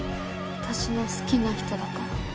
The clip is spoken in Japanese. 私の好きな人だから。